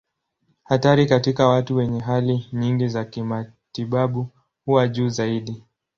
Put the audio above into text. Hatari katika watu wenye hali nyingi za kimatibabu huwa juu zaidi.